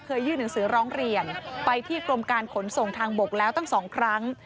ยื่นหนังสือร้องเรียนไปที่กรมการขนส่งทางบกแล้วตั้ง๒ครั้ง